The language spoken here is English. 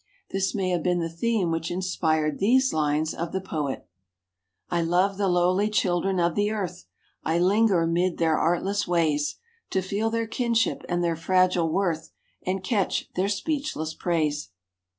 This may have been the theme which inspired these lines of the poet: I love the lowly children of the earth! I linger 'mid their artless ways To feel their kinship and their fragile worth, And catch their speechless praise.